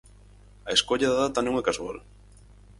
A escolla da data non é casual.